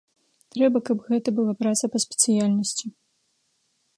Трэба, каб гэта была праца па спецыяльнасці.